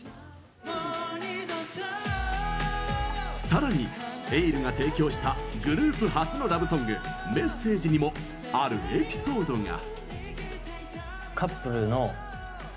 さらに、ｅｉｌｌが提供したグループ初のラブソング「Ｍｅｓｓａｇｅ」にもあるエピソードが。